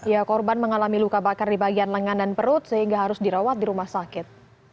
ya korban mengalami luka bakar di bagian lengan dan perut sehingga harus dirawat di rumah sakit